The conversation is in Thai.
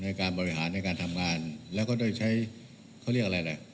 ในการบริหารในการทำงานแล้วก็ได้ใช้เขาเรียกอะไรแหละ